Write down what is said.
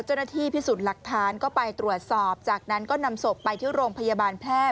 เจ้าหน้าที่พิสูจน์หลักฐานก็ไปตรวจสอบจากนั้นก็นำศพไปที่โรงพยาบาลแพร่